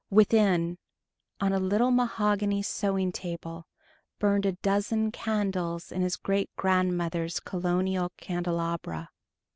Within, on a little mahogany sewing table, burned a dozen candles in his great grandmother's Colonial candelabra.